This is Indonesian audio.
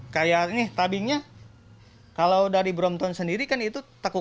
kayak ini tabingnya kalau dari brompton sendiri kan itu takut